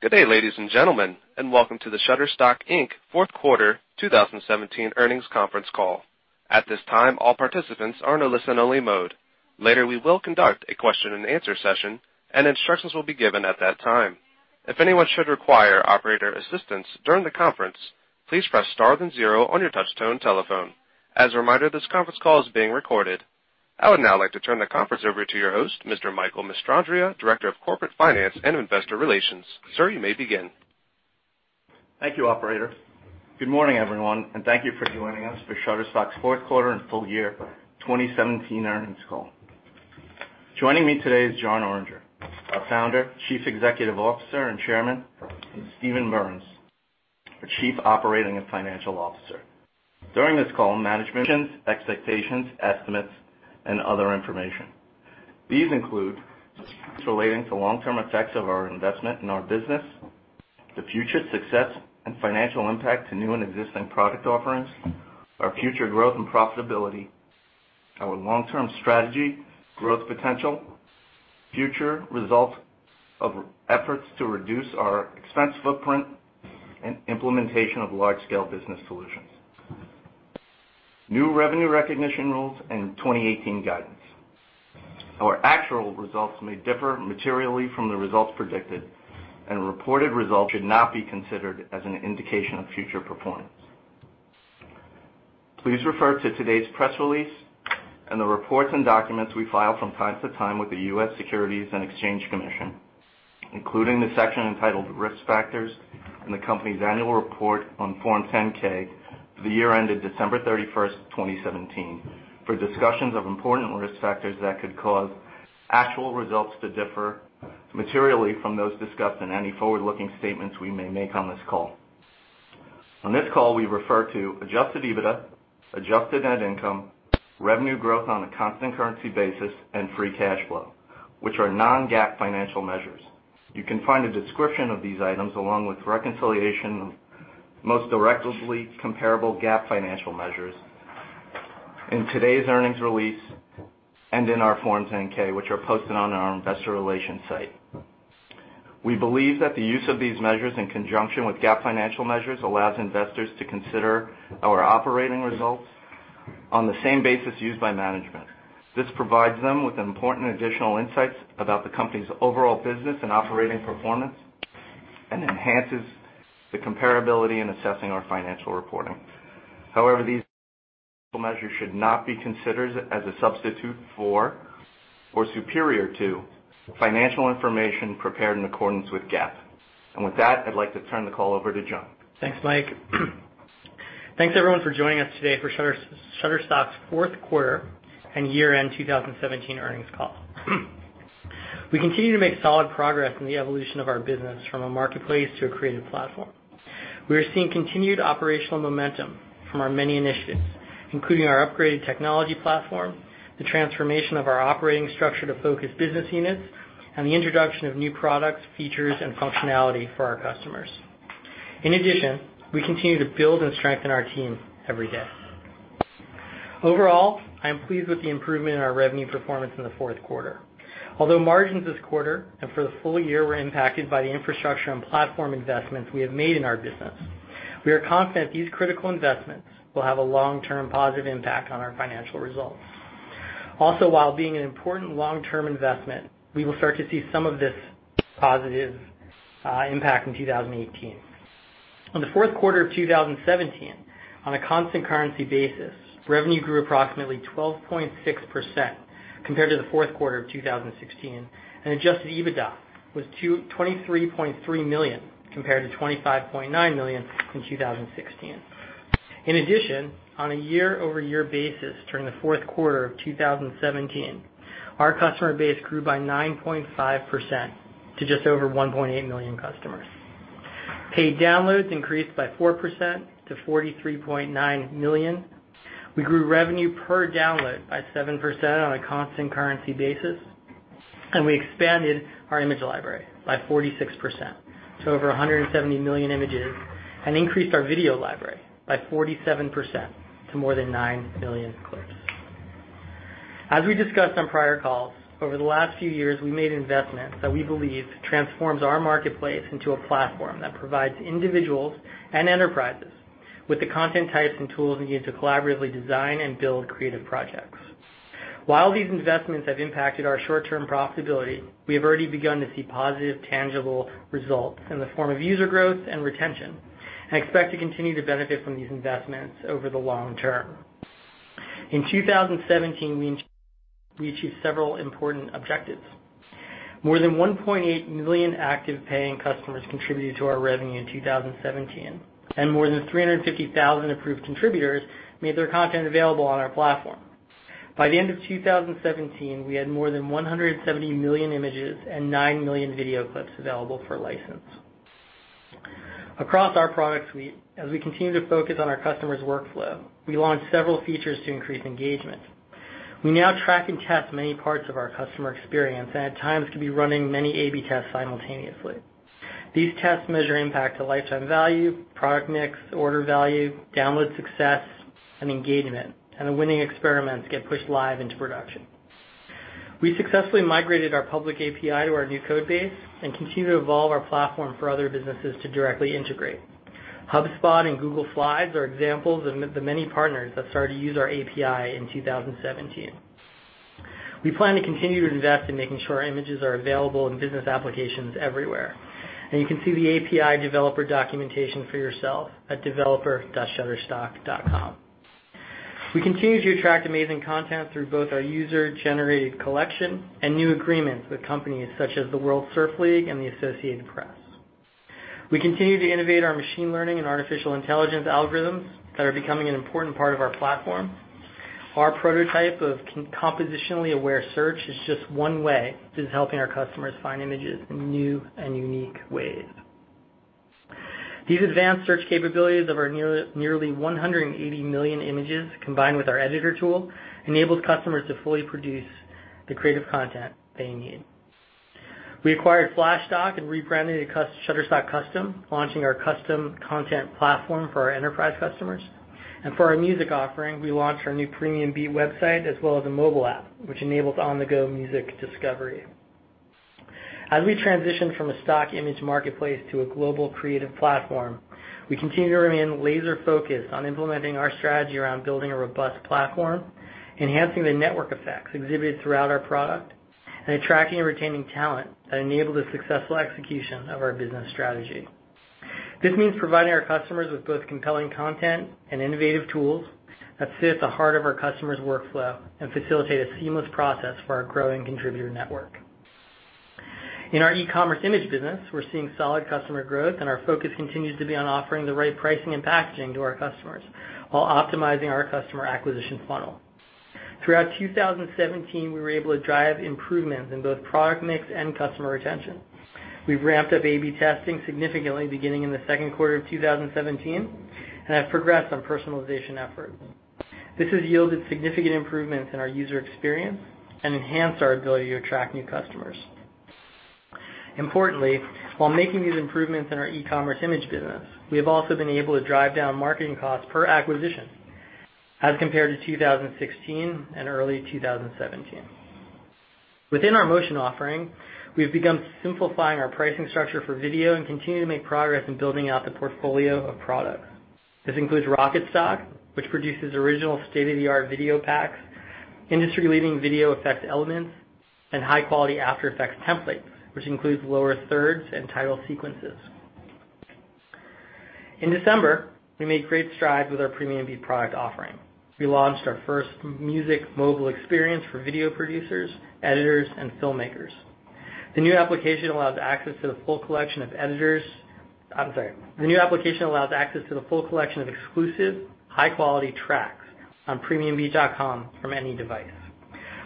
Good day, ladies and gentlemen, and welcome to the Shutterstock, Inc. fourth quarter 2017 earnings conference call. At this time, all participants are in a listen only mode. Later, we will conduct a question and answer session, and instructions will be given at that time. If anyone should require operator assistance during the conference, please press star then zero on your touchtone telephone. As a reminder, this conference call is being recorded. I would now like to turn the conference over to your host, Mr. Michael Mestrandrea, Director of Corporate Finance and Investor Relations. Sir, you may begin. Thank you, operator. Good morning, everyone, and thank you for joining us for Shutterstock's fourth quarter and full year 2017 earnings call. Joining me today is Jon Oringer, our Founder, Chief Executive Officer, and Chairman, and Steven Berns, our Chief Operating and Financial Officer. During this call, management's expectations, estimates, and other information. These include relating to long-term effects of our investment in our business, the future success and financial impact to new and existing product offerings, our future growth and profitability, our long-term strategy, growth potential, future results of efforts to reduce our expense footprint, and implementation of large-scale business solutions, new revenue recognition rules, and 2018 guidance. Our actual results may differ materially from the results predicted, and reported results should not be considered as an indication of future performance. Please refer to today's press release and the reports and documents we file from time to time with the US Securities and Exchange Commission, including the section entitled Risk Factors in the company's annual report on Form 10-K for the year ended December 31st, 2017, for discussions of important risk factors that could cause actual results to differ materially from those discussed in any forward-looking statements we may make on this call. On this call, we refer to adjusted EBITDA, adjusted net income, revenue growth on a constant currency basis, and free cash flow, which are non-GAAP financial measures. You can find a description of these items along with reconciliation, most directly comparable GAAP financial measures in today's earnings release and in our Form 10-K, which are posted on our investor relations site. We believe that the use of these measures in conjunction with GAAP financial measures allows investors to consider our operating results on the same basis used by management. This provides them with important additional insights about the company's overall business and operating performance and enhances the comparability in assessing our financial reporting. However, these measures should not be considered as a substitute for or superior to financial information prepared in accordance with GAAP. With that, I'd like to turn the call over to Jon. Thanks, Mike. Thanks, everyone, for joining us today for Shutterstock's fourth quarter and year-end 2017 earnings call. We continue to make solid progress in the evolution of our business from a marketplace to a creative platform. We are seeing continued operational momentum from our many initiatives, including our upgraded technology platform, the transformation of our operating structure to focus business units, and the introduction of new products, features, and functionality for our customers. In addition, we continue to build and strengthen our team every day. Overall, I am pleased with the improvement in our revenue performance in the fourth quarter. Although margins this quarter and for the full year were impacted by the infrastructure and platform investments we have made in our business, we are confident these critical investments will have a long-term positive impact on our financial results. While being an important long-term investment, we will start to see some of this positive impact in 2018. On the fourth quarter of 2017, on a constant currency basis, revenue grew approximately 12.6% compared to the fourth quarter of 2016, and adjusted EBITDA was $23.3 million, compared to $25.9 million in 2016. In addition, on a year-over-year basis during the fourth quarter of 2017, our customer base grew by 9.5% to just over 1.8 million customers. Paid downloads increased by 4% to 43.9 million. We grew revenue per download by 7% on a constant currency basis, and we expanded our image library by 46% to over 170 million images and increased our video library by 47% to more than 9 million clips. As we discussed on prior calls, over the last few years, we made investments that we believe transforms our marketplace into a platform that provides individuals and enterprises with the content types and tools needed to collaboratively design and build creative projects. While these investments have impacted our short-term profitability, we have already begun to see positive, tangible results in the form of user growth and retention, and expect to continue to benefit from these investments over the long-term. In 2017, we achieved several important objectives. More than 1.8 million active paying customers contributed to our revenue in 2017, and more than 350,000 approved contributors made their content available on our platform. By the end of 2017, we had more than 170 million images and 9 million video clips available for license. Across our product suite, as we continue to focus on our customers' workflow, we launched several features to increase engagement. We now track and test many parts of our customer experience. At times can be running many A/B tests simultaneously. These tests measure impact to lifetime value, product mix, order value, download success, and engagement. The winning experiments get pushed live into production. We successfully migrated our public API to our new code base and continue to evolve our platform for other businesses to directly integrate. HubSpot and Google Slides are examples of the many partners that started to use our API in 2017. We plan to continue to invest in making sure our images are available in business applications everywhere. You can see the API developer documentation for yourself at developer.shutterstock.com. We continue to attract amazing content through both our user-generated collection and new agreements with companies such as the World Surf League and the Associated Press. We continue to innovate our machine learning and artificial intelligence algorithms that are becoming an important part of our platform. Our prototype of compositionally aware search is just one way this is helping our customers find images in new and unique ways. These advanced search capabilities of our nearly 180 million images, combined with our editor tool, enables customers to fully produce the creative content they need. We acquired Flashstock and rebranded it to Shutterstock Custom, launching our custom content platform for our enterprise customers. For our music offering, we launched our new PremiumBeat website as well as a mobile app, which enables on-the-go music discovery. As we transition from a stock image marketplace to a global creative platform, we continue to remain laser-focused on implementing our strategy around building a robust platform, enhancing the network effects exhibited throughout our product, and attracting and retaining talent that enable the successful execution of our business strategy. This means providing our customers with both compelling content and innovative tools that sit at the heart of our customers' workflow and facilitate a seamless process for our growing contributor network. In our e-commerce image business, we're seeing solid customer growth, and our focus continues to be on offering the right pricing and packaging to our customers while optimizing our customer acquisition funnel. Throughout 2017, we were able to drive improvements in both product mix and customer retention. We've ramped up A/B testing significantly beginning in the second quarter of 2017, and have progressed on personalization efforts. This has yielded significant improvements in our user experience and enhanced our ability to attract new customers. Importantly, while making these improvements in our e-commerce image business, we have also been able to drive down marketing costs per acquisition as compared to 2016 and early 2017. Within our motion offering, we've begun simplifying our pricing structure for video and continue to make progress in building out the portfolio of products. This includes Rocket Stock, which produces original state-of-the-art video packs, industry-leading video effect elements, and high-quality After Effects templates, which includes lower thirds and title sequences. In December, we made great strides with our PremiumBeat product offering. We launched our first music mobile experience for video producers, editors, and filmmakers. The new application allows access to the full collection of exclusive, high-quality tracks on premiumbeat.com from any device.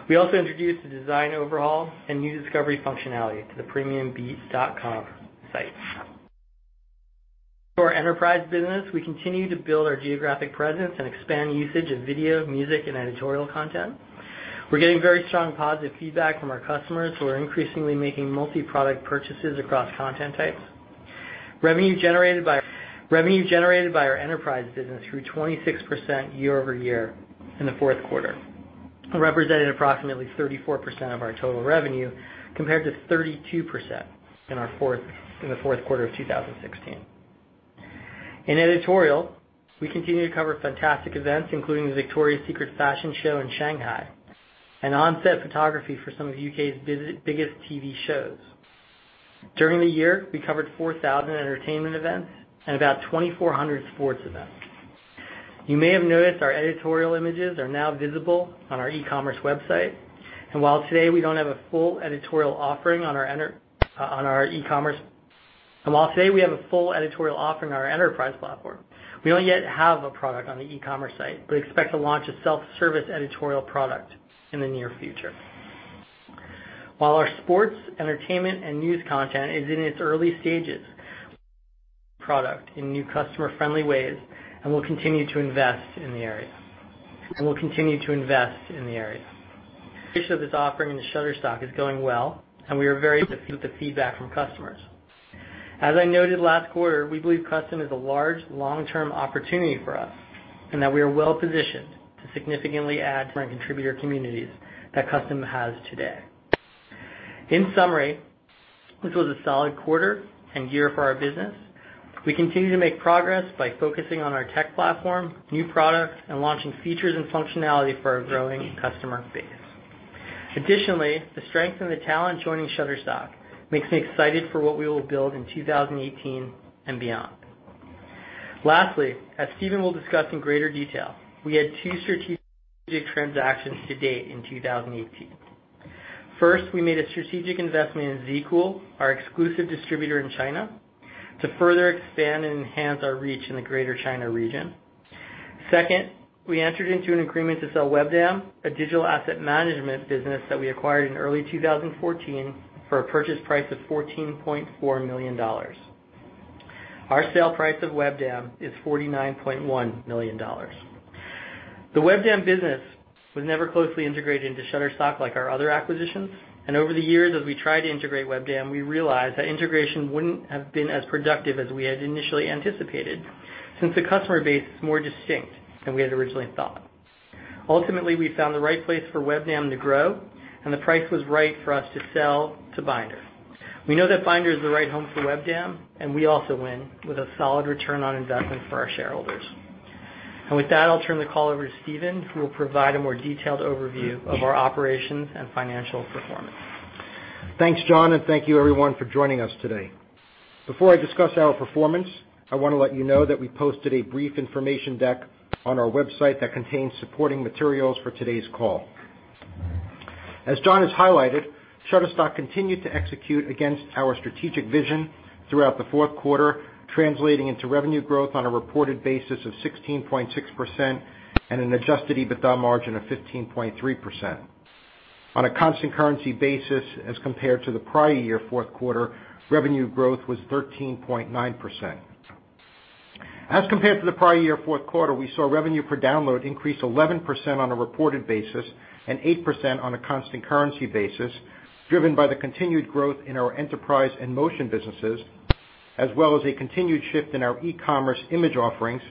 We also introduced a design overhaul and new discovery functionality to the premiumbeat.com site. For our enterprise business, we continue to build our geographic presence and expand usage of video, music, and editorial content. We're getting very strong positive feedback from our customers, who are increasingly making multi-product purchases across content types. Revenue generated by our enterprise business grew 26% year-over-year in the fourth quarter, representing approximately 34% of our total revenue, compared to 32% in the fourth quarter of 2016. In editorial, we continue to cover fantastic events, including the Victoria's Secret Fashion Show in Shanghai and on-set photography for some of U.K.'s biggest TV shows. During the year, we covered 4,000 entertainment events and about 2,400 sports events. You may have noticed our editorial images are now visible on our e-commerce website. While today we have a full editorial offering on our enterprise platform, we don't yet have a product on the e-commerce site, but expect to launch a self-service editorial product in the near future. While our sports, entertainment, and news content is in its early stages, product in new customer-friendly ways, and we'll continue to invest in the area. Initiation of this offering into Shutterstock is going well, and we are very with the feedback from customers. As I noted last quarter, we believe Custom is a large, long-term opportunity for us, and that we are well positioned to significantly add from our contributor communities that Custom has today. In summary, this was a solid quarter and year for our business. We continue to make progress by focusing on our tech platform, new products, and launching features and functionality for our growing customer base. Additionally, the strength in the talent joining Shutterstock makes me excited for what we will build in 2018 and beyond. Lastly, as Steven will discuss in greater detail, we had two strategic transactions to date in 2018. First, we made a strategic investment in ZCool, our exclusive distributor in China, to further expand and enhance our reach in the Greater China region. Second, we entered into an agreement to sell Webdam, a digital asset management business that we acquired in early 2014, for a purchase price of $14.4 million. Our sale price of Webdam is $49.1 million. The Webdam business was never closely integrated into Shutterstock like our other acquisitions, and over the years, as we tried to integrate Webdam, we realized that integration wouldn't have been as productive as we had initially anticipated, since the customer base is more distinct than we had originally thought. Ultimately, we found the right place for Webdam to grow, and the price was right for us to sell to Bynder. We know that Bynder is the right home for Webdam, and we also win with a solid return on investment for our shareholders. With that, I'll turn the call over to Steven, who will provide a more detailed overview of our operations and financial performance. Thanks, Jon. Thank you everyone for joining us today. Before I discuss our performance, I want to let you know that we posted a brief information deck on our website that contains supporting materials for today's call. As Jon has highlighted, Shutterstock continued to execute against our strategic vision throughout the fourth quarter, translating into revenue growth on a reported basis of 16.6% and an adjusted EBITDA margin of 15.3%. On a constant currency basis as compared to the prior year fourth quarter, revenue growth was 13.9%. As compared to the prior year fourth quarter, we saw revenue per download increase 11% on a reported basis and 8% on a constant currency basis, driven by the continued growth in our enterprise and motion businesses, as well as a continued shift in our e-commerce image offerings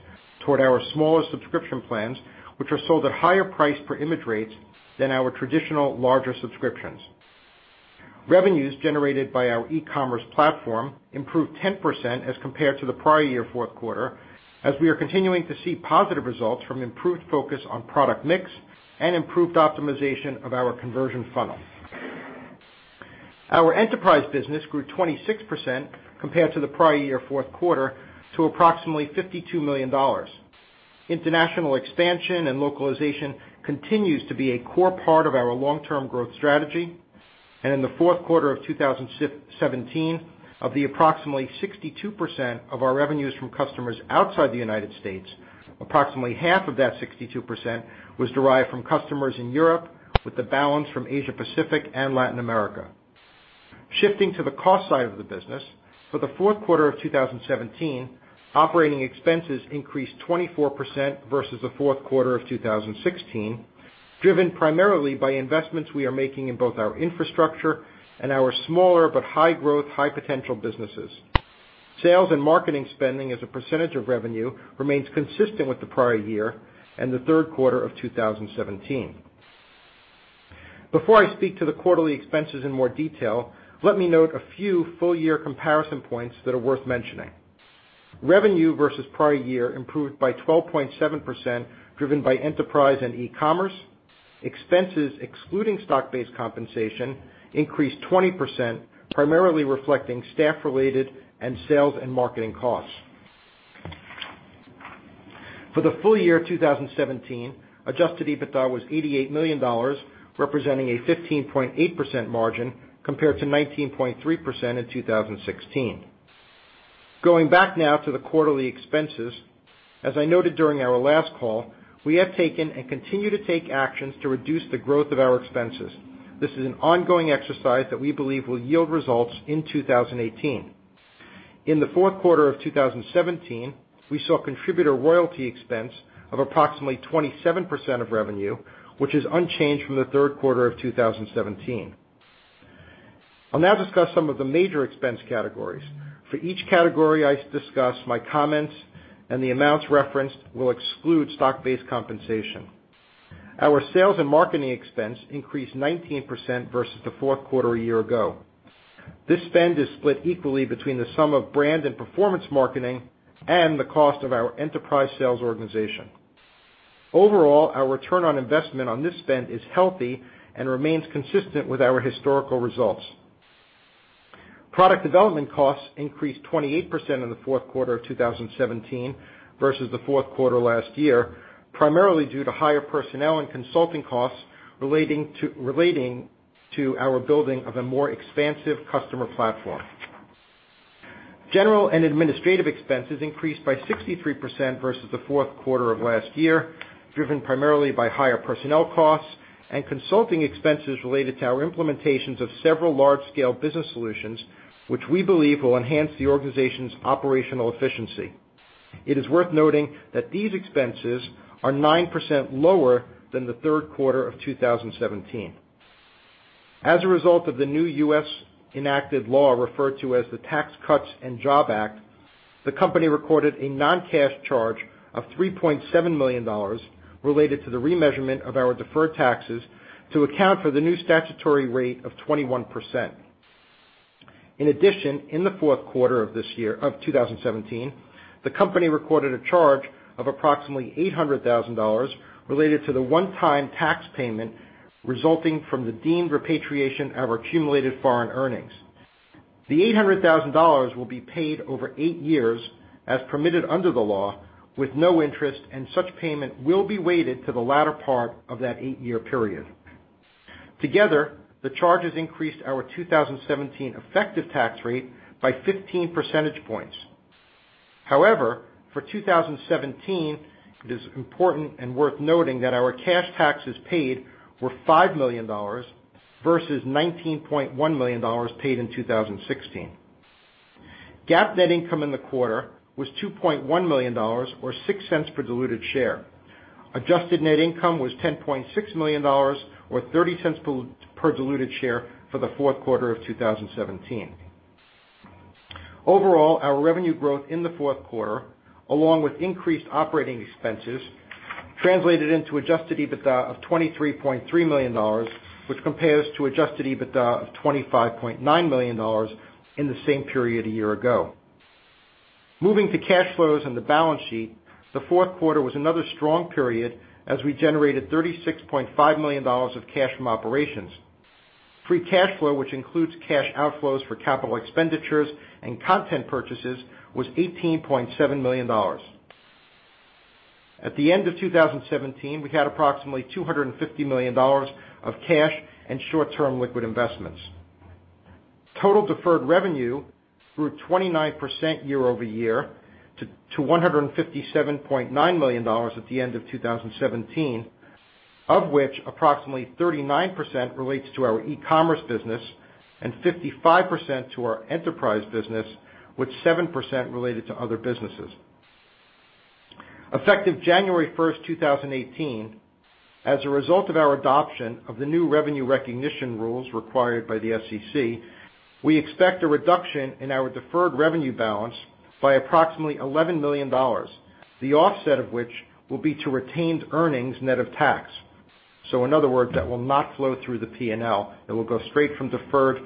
toward our smaller subscription plans, which are sold at higher price per image rates than our traditional larger subscriptions. Revenues generated by our e-commerce platform improved 10% as compared to the prior year fourth quarter, as we are continuing to see positive results from improved focus on product mix and improved optimization of our conversion funnel. Our enterprise business grew 26% compared to the prior year fourth quarter to approximately $52 million. International expansion and localization continues to be a core part of our long-term growth strategy. In the fourth quarter of 2017, of the approximately 62% of our revenues from customers outside the U.S., approximately half of that 62% was derived from customers in Europe, with the balance from Asia-Pacific and Latin America. Shifting to the cost side of the business, for the fourth quarter of 2017, operating expenses increased 24% versus the fourth quarter of 2016, driven primarily by investments we are making in both our infrastructure and our smaller but high-growth, high-potential businesses. Sales and marketing spending as a percentage of revenue remains consistent with the prior year and the third quarter of 2017. Before I speak to the quarterly expenses in more detail, let me note a few full-year comparison points that are worth mentioning. Revenue versus prior year improved by 12.7%, driven by enterprise and e-commerce. Expenses excluding stock-based compensation increased 20%, primarily reflecting staff-related and sales and marketing costs. For the full year 2017, adjusted EBITDA was $88 million, representing a 15.8% margin compared to 19.3% in 2016. Going back now to the quarterly expenses, as I noted during our last call, we have taken and continue to take actions to reduce the growth of our expenses. This is an ongoing exercise that we believe will yield results in 2018. In the fourth quarter of 2017, we saw contributor royalty expense of approximately 27% of revenue, which is unchanged from the third quarter of 2017. I'll now discuss some of the major expense categories. For each category I discuss, my comments and the amounts referenced will exclude stock-based compensation. Our sales and marketing expense increased 19% versus the fourth quarter a year ago. This spend is split equally between the sum of brand and performance marketing and the cost of our enterprise sales organization. Overall, our return on investment on this spend is healthy and remains consistent with our historical results. Product development costs increased 28% in the fourth quarter of 2017 versus the fourth quarter last year, primarily due to higher personnel and consulting costs relating to our building of a more expansive customer platform. General and administrative expenses increased by 63% versus the fourth quarter of last year, driven primarily by higher personnel costs and consulting expenses related to our implementations of several large-scale business solutions, which we believe will enhance the organization's operational efficiency. It is worth noting that these expenses are 9% lower than the third quarter of 2017. As a result of the new U.S. enacted law referred to as the Tax Cuts and Jobs Act, the company recorded a non-cash charge of $3.7 million related to the remeasurement of our deferred taxes to account for the new statutory rate of 21%. In addition, in the fourth quarter of 2017, the company recorded a charge of approximately $800,000 related to the one-time tax payment resulting from the deemed repatriation of our accumulated foreign earnings. The $800,000 will be paid over eight years, as permitted under the law, with no interest, and such payment will be weighted to the latter part of that eight-year period. Together, the charges increased our 2017 effective tax rate by 15 percentage points. For 2017, it is important and worth noting that our cash taxes paid were $5 million versus $19.1 million paid in 2016. GAAP net income in the quarter was $2.1 million, or $0.06 per diluted share. Adjusted net income was $10.6 million or $0.30 per diluted share for the fourth quarter of 2017. Overall, our revenue growth in the fourth quarter, along with increased operating expenses, translated into adjusted EBITDA of $23.3 million, which compares to adjusted EBITDA of $25.9 million in the same period a year ago. Moving to cash flows and the balance sheet, the fourth quarter was another strong period as we generated $36.5 million of cash from operations. Free cash flow, which includes cash outflows for capital expenditures and content purchases, was $18.7 million. At the end of 2017, we had approximately $250 million of cash and short-term liquid investments. Total deferred revenue grew 29% year-over-year to $157.9 million at the end of 2017, of which approximately 39% relates to our e-commerce business and 55% to our enterprise business, with 7% related to other businesses. Effective January 1st, 2018, as a result of our adoption of the new revenue recognition rules required by the SEC, we expect a reduction in our deferred revenue balance by approximately $11 million. The offset of which will be to retained earnings net of tax. In other words, that will not flow through the P&L. It will go straight from deferred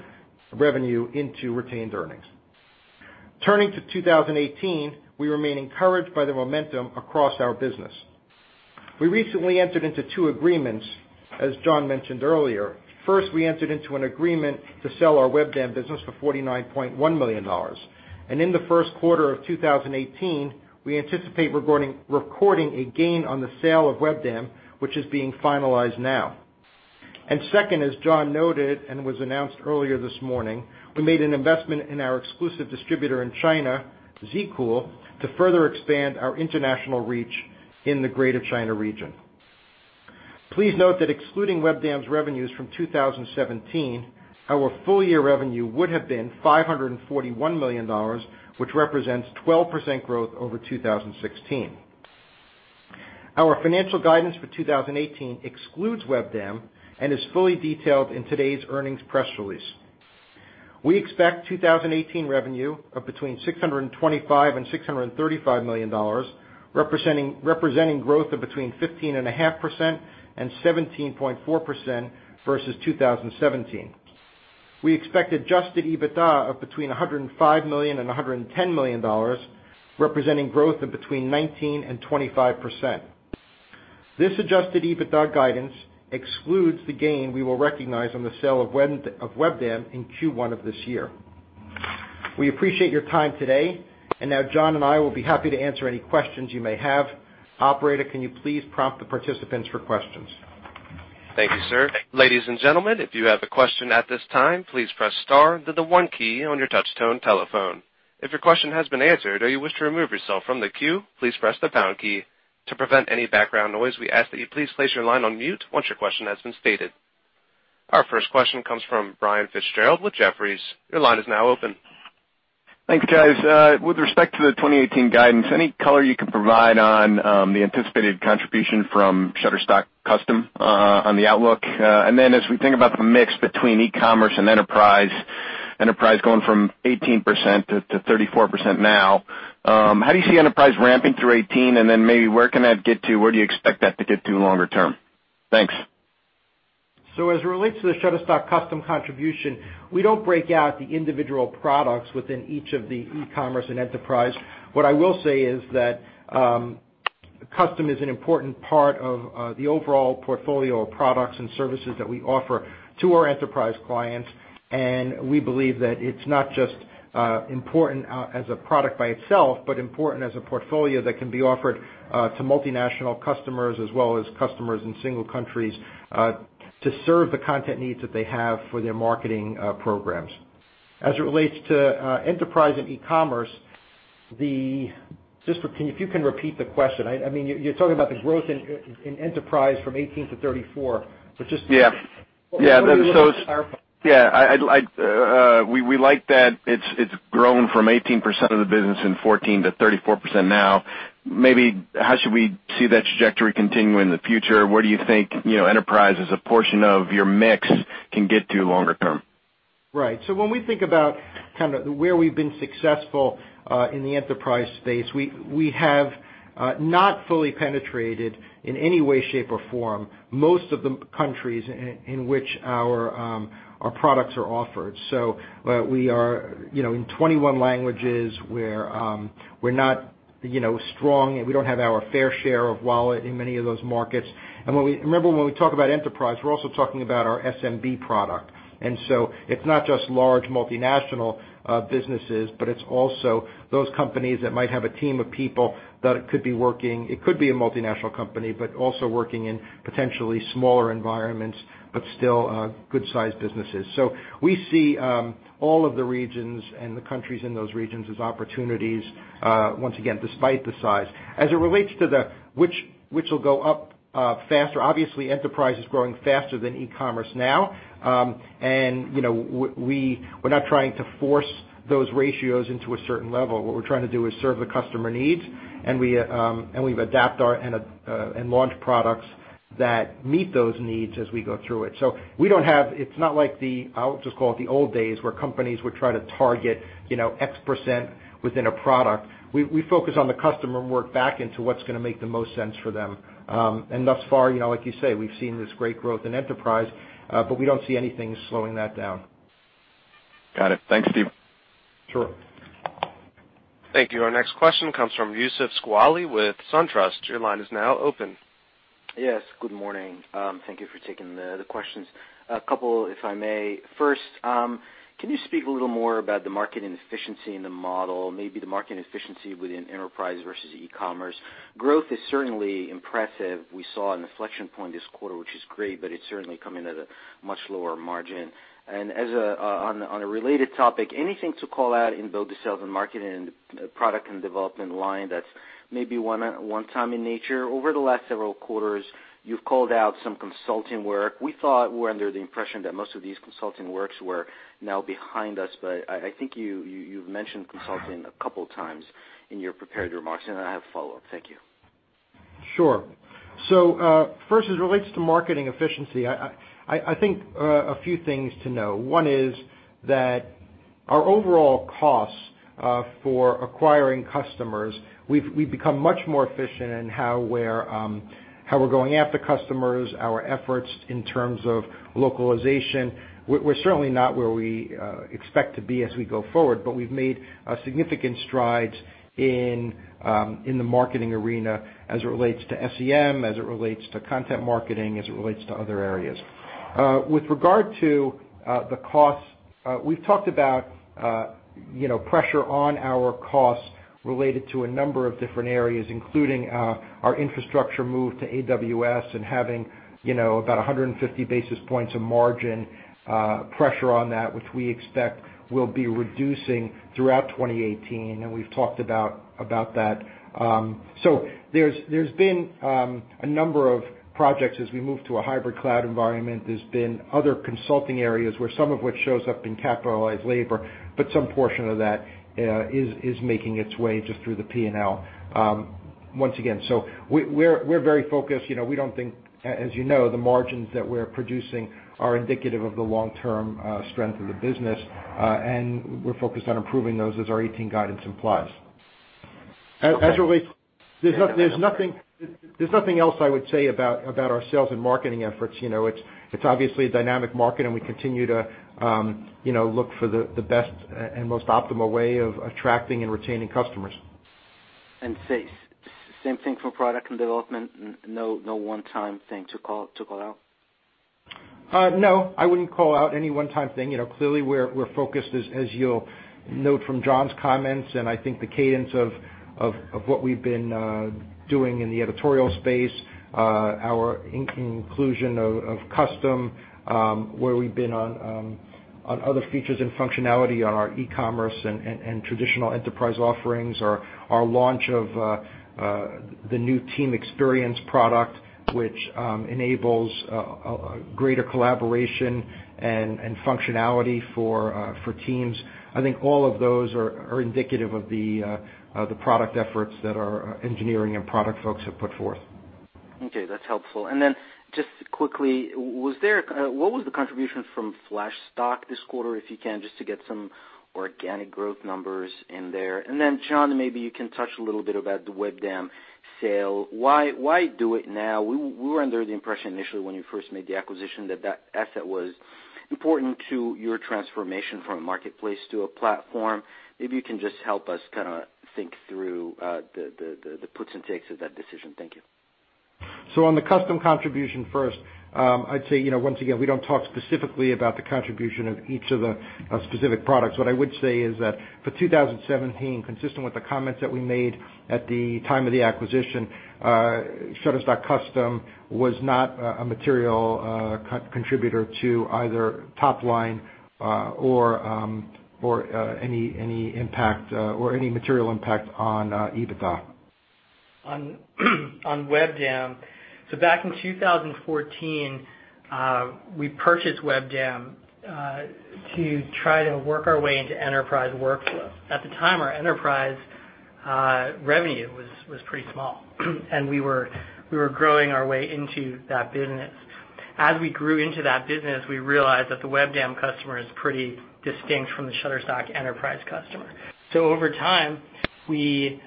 revenue into retained earnings. Turning to 2018, we remain encouraged by the momentum across our business. We recently entered into two agreements, as Jon mentioned earlier. First, we entered into an agreement to sell our Webdam business for $49.1 million. In the first quarter of 2018, we anticipate recording a gain on the sale of Webdam, which is being finalized now. Second, as Jon noted and was announced earlier this morning, we made an investment in our exclusive distributor in China, ZCool, to further expand our international reach in the Greater China region. Please note that excluding Webdam's revenues from 2017, our full year revenue would have been $541 million, which represents 12% growth over 2016. Our financial guidance for 2018 excludes Webdam and is fully detailed in today's earnings press release. We expect 2018 revenue of between $625 million and $635 million, representing growth of between 15.5% and 17.4% versus 2017. We expect adjusted EBITDA of between $105 million and $110 million, representing growth of between 19% and 25%. This adjusted EBITDA guidance excludes the gain we will recognize on the sale of Webdam in Q1 of this year. We appreciate your time today, and now Jon and I will be happy to answer any questions you may have. Operator, can you please prompt the participants for questions? Thank you, sir. Ladies and gentlemen, if you have a question at this time, please press star, then the one key on your touch tone telephone. If your question has been answered or you wish to remove yourself from the queue, please press the pound key. To prevent any background noise, we ask that you please place your line on mute once your question has been stated. Our first question comes from Brian Fitzgerald with Jefferies. Your line is now open. Thanks, guys. With respect to the 2018 guidance, any color you can provide on the anticipated contribution from Shutterstock Custom on the outlook? As we think about the mix between e-commerce and enterprise going from 18%-34% now, how do you see enterprise ramping through 2018? Maybe where can that get to? Where do you expect that to get to longer term? Thanks. As it relates to the Shutterstock Custom contribution, we don't break out the individual products within each of the e-commerce and enterprise. What I will say is that Custom is an important part of the overall portfolio of products and services that we offer to our enterprise clients, and we believe that it's not just important as a product by itself, but important as a portfolio that can be offered to multinational customers as well as customers in single countries to serve the content needs that they have for their marketing programs. As it relates to enterprise and e-commerce, if you can repeat the question. You're talking about the growth in enterprise from 18% to 34%. Yeah. What are you looking to clarify? Yeah, we like that it's grown from 18% of the business in 2014 to 34% now. Maybe how should we see that trajectory continuing in the future? Where do you think enterprise as a portion of your mix can get to longer term? Right. When we think about where we've been successful in the enterprise space, we have not fully penetrated in any way, shape, or form most of the countries in which our products are offered. We are in 21 languages. We're not strong, and we don't have our fair share of wallet in many of those markets. Remember, when we talk about enterprise, we're also talking about our SMB product. It's not just large multinational businesses, but it's also those companies that might have a team of people that it could be a multinational company, but also working in potentially smaller environments, but still good-sized businesses. We see all of the regions and the countries in those regions as opportunities, once again, despite the size. As it relates to which will go up faster, obviously enterprise is growing faster than e-commerce now. We're not trying to force those ratios into a certain level. What we're trying to do is serve the customer needs, and we've adapt our and launch products that meet those needs as we go through it. It's not like the, I'll just call it the old days, where companies would try to target X% within a product. We focus on the customer and work back into what's going to make the most sense for them. Thus far, like you say, we've seen this great growth in enterprise, but we don't see anything slowing that down. Got it. Thanks, Steve. Sure. Thank you. Our next question comes from Youssef Squali with SunTrust. Your line is now open. Yes, good morning. Thank you for taking the questions. A couple, if I may. First, can you speak a little more about the market inefficiency in the model, maybe the market inefficiency within enterprise versus e-commerce? Growth is certainly impressive. We saw an inflection point this quarter, which is great, but it's certainly coming at a much lower margin. On a related topic, anything to call out in build to sales and marketing and product and development line that's maybe one-time in nature? Over the last several quarters, you've called out some consulting work. We thought we're under the impression that most of these consulting works were now behind us, but I think you've mentioned consulting a couple of times in your prepared remarks. I have a follow-up. Thank you. Sure. First, as it relates to marketing efficiency, I think, a few things to know. One is that our overall costs for acquiring customers, we've become much more efficient in how we're going after customers, our efforts in terms of localization. We're certainly not where we expect to be as we go forward, but we've made significant strides in the marketing arena as it relates to SEM, as it relates to content marketing, as it relates to other areas. With regard to the costs, we've talked about pressure on our costs related to a number of different areas, including our infrastructure move to AWS and having about 150 basis points of margin pressure on that, which we expect will be reducing throughout 2018. We've talked about that. There's been a number of projects as we move to a hybrid cloud environment. There's been other consulting areas where some of which shows up in capitalized labor, but some portion of that is making its way just through the P&L. Once again, we're very focused. We don't think, as you know, the margins that we're producing are indicative of the long-term strength of the business. We're focused on improving those as our 2018 guidance implies. There's nothing else I would say about our sales and marketing efforts. It's obviously a dynamic market. We continue to look for the best and most optimal way of attracting and retaining customers. Same thing for product and development, no one-time thing to call out? No, I wouldn't call out any one-time thing. Clearly, we're focused, as you'll note from Jon's comments, and I think the cadence of what we've been doing in the editorial space, our inclusion of custom, where we've been on other features and functionality on our e-commerce and traditional enterprise offerings, our launch of the new team experience product, which enables greater collaboration and functionality for teams. I think all of those are indicative of the product efforts that our engineering and product folks have put forth. Okay, that's helpful. Then just quickly, what was the contribution from Flashstock this quarter, if you can, just to get some organic growth numbers in there? Then, Jon, maybe you can touch a little bit about the Webdam sale. Why do it now? We were under the impression initially when you first made the acquisition that that asset was important to your transformation from a marketplace to a platform. Maybe you can just help us kind of think through the puts and takes of that decision. Thank you. on the custom contribution first, I'd say, once again, we don't talk specifically about the contribution of each of the specific products. What I would say is that for 2017, consistent with the comments that we made at the time of the acquisition, Shutterstock Custom was not a material contributor to either top line or any material impact on EBITDA. On Webdam. Back in 2014, we purchased Webdam to try to work our way into enterprise workflow. At the time, our enterprise revenue was pretty small, and we were growing our way into that business. As we grew into that business, we realized that the Webdam customer is pretty distinct from the Shutterstock enterprise customer. Over time, we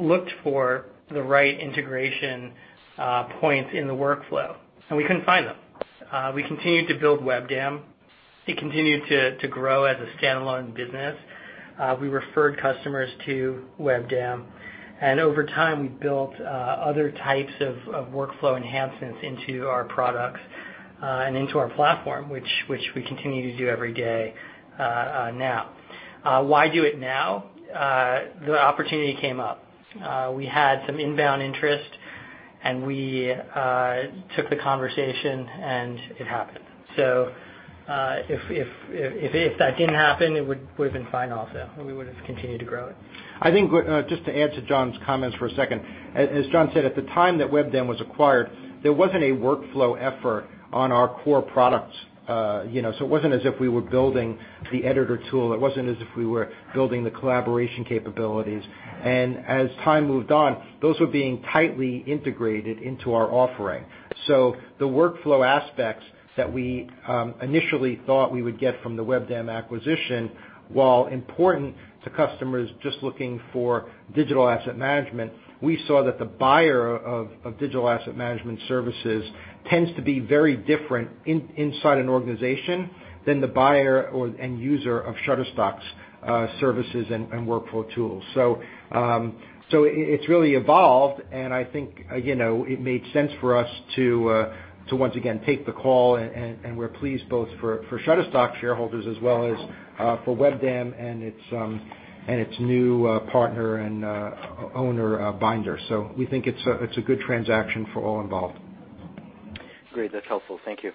looked for the right integration points in the workflow, and we couldn't find them. We continued to build Webdam. It continued to grow as a standalone business. We referred customers to Webdam, and over time, we built other types of workflow enhancements into our products and into our platform, which we continue to do every day now. Why do it now? The opportunity came up. We had some inbound interest. We took the conversation, and it happened. If that didn't happen, it would've been fine also. We would've continued to grow it. I think, just to add to Jon's comments for a second, as Jon said, at the time that Webdam was acquired, there wasn't a workflow effort on our core products. It wasn't as if we were building the editor tool. It wasn't as if we were building the collaboration capabilities. As time moved on, those were being tightly integrated into our offering. The workflow aspects that we initially thought we would get from the Webdam acquisition, while important to customers just looking for digital asset management, we saw that the buyer of digital asset management services tends to be very different inside an organization than the buyer or end user of Shutterstock's services and workflow tools. It's really evolved, and I think it made sense for us to once again take the call, and we're pleased both for Shutterstock shareholders as well as for Webdam and its new partner and owner, Bynder. We think it's a good transaction for all involved. Great. That's helpful. Thank you.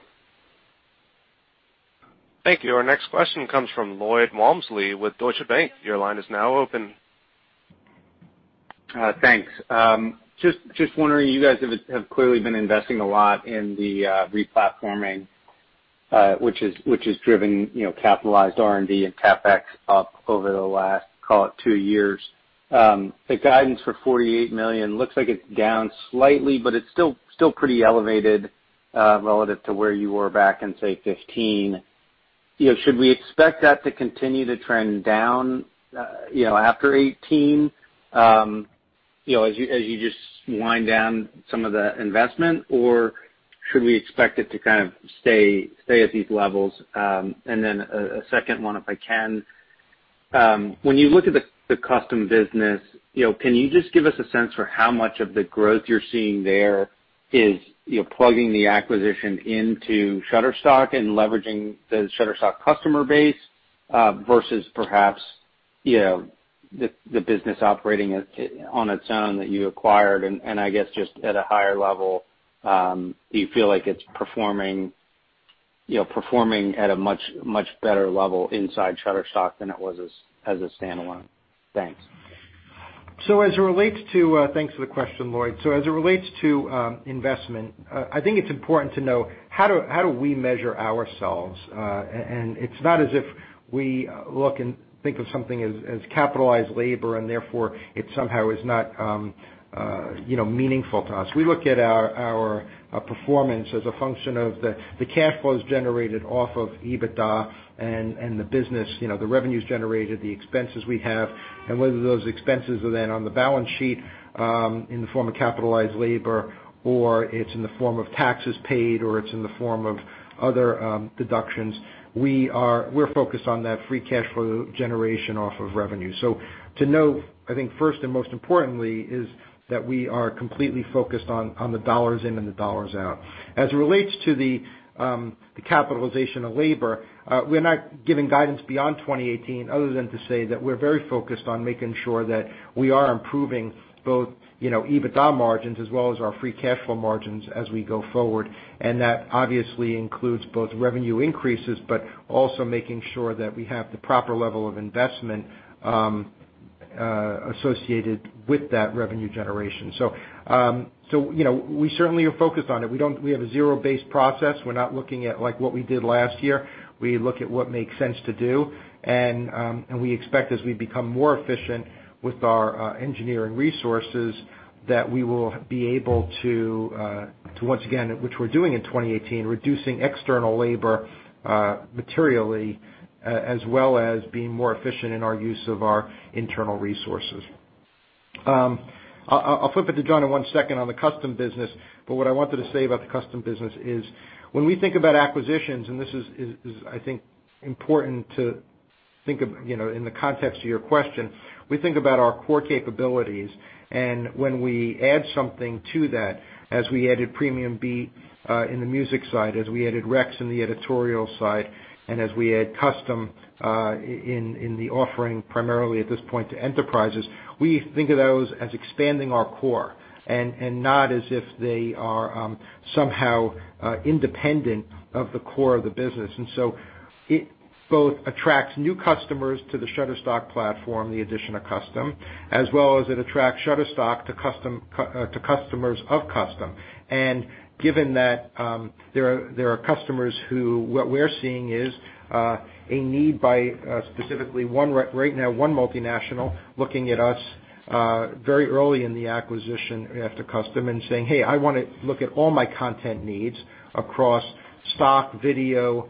Thank you. Our next question comes from Lloyd Walmsley with Deutsche Bank. Your line is now open. Thanks. Just wondering, you guys have clearly been investing a lot in the re-platforming, which has driven capitalized R&D and CapEx up over the last, call it two years. The guidance for $48 million looks like it's down slightly, but it's still pretty elevated, relative to where you were back in, say, 2015. Should we expect that to continue to trend down after 2018, as you just wind down some of the investment, or should we expect it to kind of stay at these levels? Then a second one, if I can. When you look at the custom business, can you just give us a sense for how much of the growth you're seeing there is plugging the acquisition into Shutterstock and leveraging the Shutterstock customer base, versus perhaps the business operating on its own that you acquired. I guess, just at a higher level, do you feel like it's performing at a much better level inside Shutterstock than it was as a standalone? Thanks. Thanks for the question, Lloyd. As it relates to investment, I think it's important to know how do we measure ourselves. It's not as if we look and think of something as capitalized labor and therefore it somehow is not meaningful to us. We look at our performance as a function of the cash flows generated off of EBITDA and the business, the revenues generated, the expenses we have, and whether those expenses are then on the balance sheet, in the form of capitalized labor, or it's in the form of taxes paid, or it's in the form of other deductions. We're focused on that free cash flow generation off of revenue. To note, I think first and most importantly is that we are completely focused on the dollars in and the dollars out. As it relates to the capitalization of labor, we're not giving guidance beyond 2018 other than to say that we're very focused on making sure that we are improving both EBITDA margins as well as our free cash flow margins as we go forward. That obviously includes both revenue increases, but also making sure that we have the proper level of investment associated with that revenue generation. We certainly are focused on it. We have a zero-based process. We're not looking at what we did last year. We look at what makes sense to do. We expect as we become more efficient with our engineering resources, that we will be able to, once again, which we're doing in 2018, reducing external labor materially, as well as being more efficient in our use of our internal resources. I'll flip it to Jon in one second on the custom business, but what I wanted to say about the custom business is when we think about acquisitions, and this is, I think, important to think of in the context of your question, we think about our core capabilities. When we add something to that, as we added PremiumBeat in the music side, as we added Rex in the editorial side, and as we add custom in the offering primarily at this point to enterprises, we think of those as expanding our core and not as if they are somehow independent of the core of the business. So it both attracts new customers to the Shutterstock platform, the addition of custom, as well as it attracts Shutterstock to customers of custom. Given that there are customers who, what we're seeing is, a need by specifically right now one multinational looking at us very early in the acquisition after custom and saying, "Hey, I want to look at all my content needs across stock, video,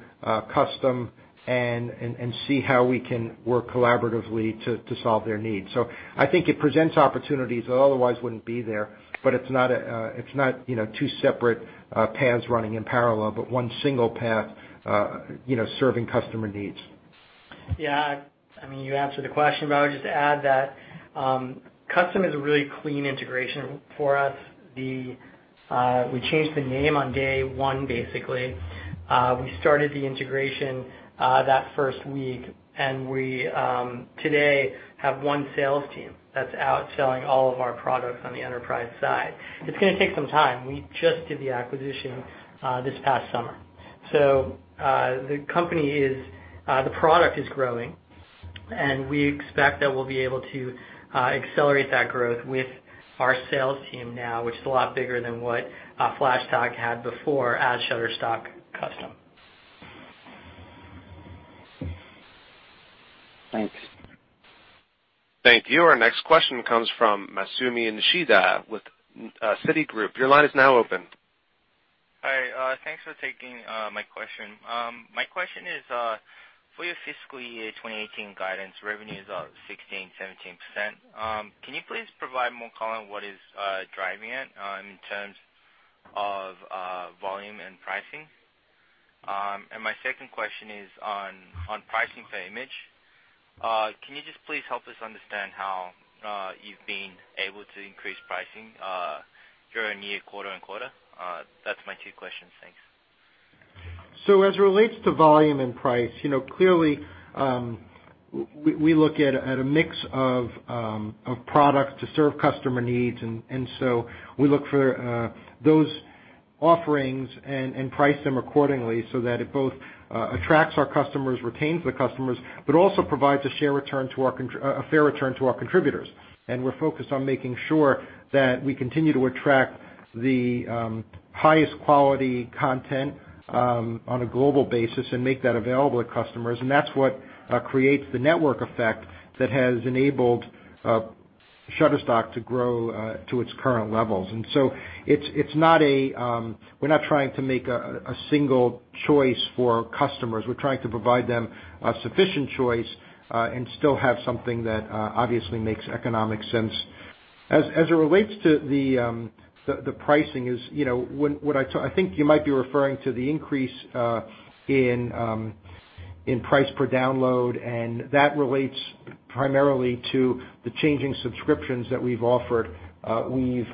custom, and see how we can work collaboratively to solve their needs." I think it presents opportunities that otherwise wouldn't be there, but it's not two separate paths running in parallel, but one single path serving customer needs. Yeah. You answered the question, but I would just add that Custom is a really clean integration for us. We changed the name on day one, basically. We started the integration that first week, we, today, have one sales team that's out selling all of our products on the enterprise side. It's going to take some time. We just did the acquisition this past summer. The product is growing, and we expect that we'll be able to accelerate that growth with our sales team now, which is a lot bigger than what Flashstock had before as Shutterstock Custom. Thanks. Thank you. Our next question comes from Masumi Nishida with Citigroup. Your line is now open. Hi, thanks for taking my question. My question is, for your fiscal year 2018 guidance, revenues are 16%, 17%. Can you please provide more color on what is driving it in terms of volume and pricing? My second question is on pricing for image. Can you just please help us understand how you've been able to increase pricing during year, quarter-on-quarter? That's my two questions. Thanks. As it relates to volume and price, clearly, we look at a mix of products to serve customer needs. We look for those offerings and price them accordingly so that it both attracts our customers, retains the customers, also provides a fair return to our contributors. We're focused on making sure that we continue to attract the highest quality content on a global basis and make that available to customers. That's what creates the network effect that has enabled Shutterstock to grow to its current levels. We're not trying to make a single choice for our customers. We're trying to provide them a sufficient choice and still have something that obviously makes economic sense. As it relates to the pricing, I think you might be referring to the increase in price per download, that relates primarily to the changing subscriptions that we've offered. We've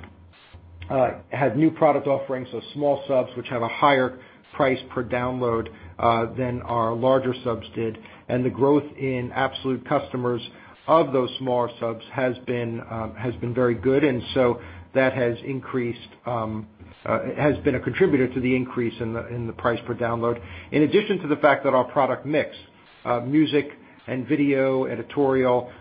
had new product offerings, small subs, which have a higher price per download than our larger subs did. The growth in absolute customers of those smaller subs has been very good, that has been a contributor to the increase in the price per download. In addition to the fact that our product mix, music and video, editorial,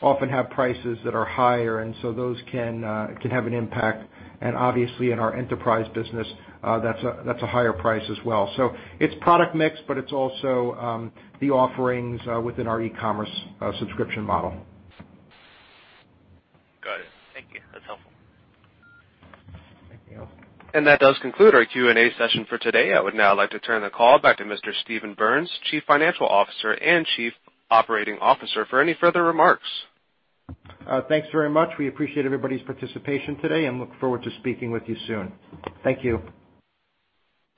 often have prices that are higher, those can have an impact. Obviously, in our enterprise business, that's a higher price as well. It's product mix, it's also the offerings within our e-commerce subscription model. Got it. Thank you. That's helpful. Thank you. That does conclude our Q&A session for today. I would now like to turn the call back to Mr. Steven Berns, Chief Financial Officer and Chief Operating Officer, for any further remarks. Thanks very much. We appreciate everybody's participation today and look forward to speaking with you soon. Thank you.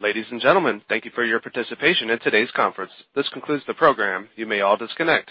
Ladies and gentlemen, thank you for your participation in today's conference. This concludes the program. You may all disconnect.